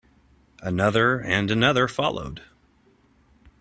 Another and another followed.